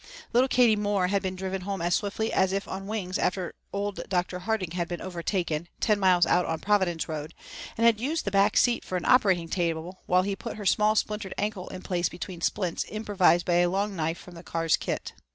Little Katie Moore had been driven home as swiftly as if on wings after old Dr. Harding had been overtaken, ten miles out on Providence Road, and had used the back seat for an operating table while he put her small splintered ankle in place between splints improvised by a long knife from the car's kit.